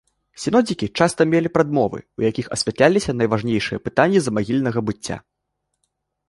Сінодзікі часта мелі прадмовы, у якіх асвятляліся найважнейшыя пытанні замагільнага быцця.